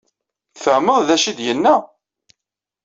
Tfehmeḍ ad acu ay d-yenna?